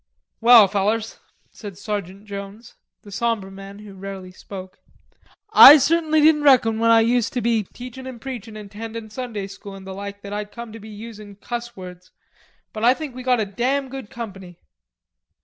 "Well, fellers," said Sergeant Jones, the sombre man who rarely spoke, "I certainly didn't reckon when I used to be teachin' and preachin' and tendin' Sunday School and the like that I'd come to be usin' cuss words, but I think we got a damn good company."